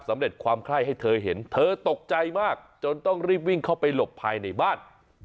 ความไข้ให้เธอเห็นเธอตกใจมากจนต้องรีบวิ่งเข้าไปหลบภายในบ้าน